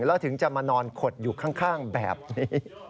แล้วถึงจะมานอนขดอยู่ข้างแบบนี้